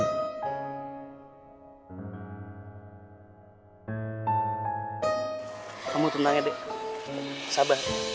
kamu tenang ya dek sabar